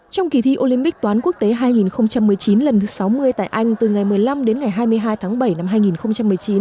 trong kỳ thi olympic toán quốc tế hai nghìn một mươi chín lần thứ sáu mươi tại anh từ ngày một mươi năm đến ngày hai mươi hai tháng bảy năm hai nghìn một mươi chín